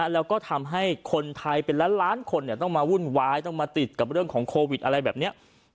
แล้วก็ทำให้คนไทยเป็นล้านล้านคนต้องมาวุ่นวายต้องมาติดกับเรื่องของโควิดอะไรแบบนี้